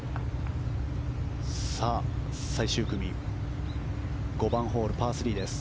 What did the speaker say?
最終組５番ホールパー３です。